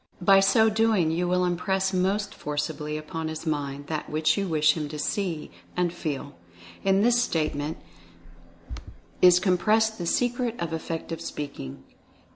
By so doing you will impress most forcibly upon his mind that which you wish him to see, and feel. In this statement is compressed the Secret of Effective Speaking.